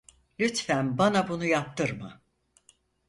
Lütfen bana bunu yaptırma.